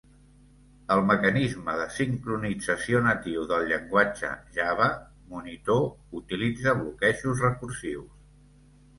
El mecanisme de sincronització natiu del llenguatge Java, monitor, utilitza bloquejos recursius.